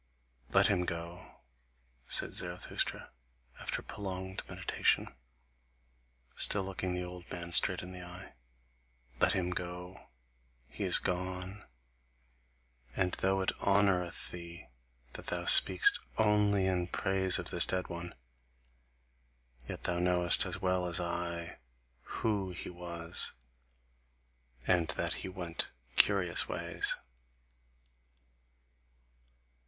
"Let him go," said Zarathustra, after prolonged meditation, still looking the old man straight in the eye. "Let him go, he is gone. And though it honoureth thee that thou speakest only in praise of this dead one, yet thou knowest as well as I WHO he was, and that he went curious ways."